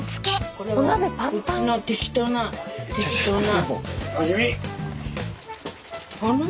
これはうちの適当な適当な。